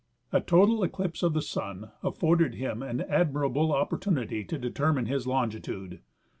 A total eclipse of the sun afforded him an admirable opportunity to determine his longitude.